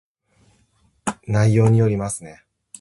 内容によります